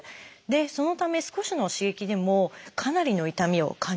そのため少しの刺激でもかなりの痛みを感じてしまいます。